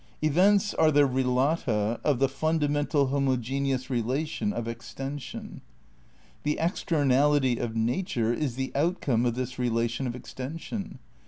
' "Events are the relata of the fundamental homogeneous rela tion of extension ..." "The externality of nature is the outcome of this relation of extension.